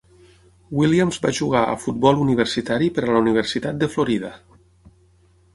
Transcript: Williams va jugar a futbol universitari per a la Universitat de Florida.